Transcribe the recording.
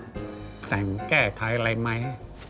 โปรดติดตามต่อไป